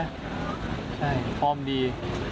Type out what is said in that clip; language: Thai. ใช่ฟอร์มดี